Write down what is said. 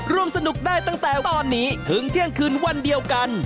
ร่วมสนุกได้ตั้งแต่ตอนนี้ถึงเที่ยงคืนวันเดียวกัน